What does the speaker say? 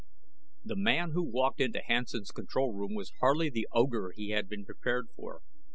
The man who walked into Hansen's control room was hardly the ogre he had been prepared for.